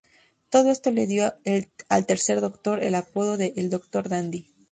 Todo esto le dio al Tercer Doctor el apodo de "El Doctor Dandy".